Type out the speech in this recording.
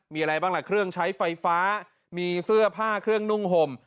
มีอะไรบ้างล่ะเครื่องใช้ไฟฟ้ามีเสื้อผ้าเครื่องนุ่งห่ม